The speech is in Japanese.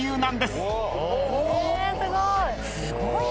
すごい。